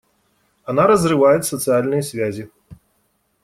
Она разрывает социальные связи.